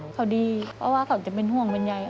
เขาดีเพราะว่าเขาจะเป็นห่วงเป็นใย